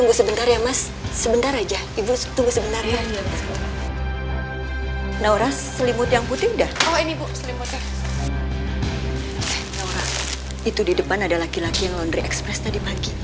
itu di depan ada laki laki yang laundry express tadi pagi